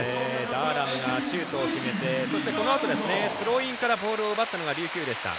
ダーラムがシュートを決めてそして、このあとスローインからボールを奪ったのが琉球でした。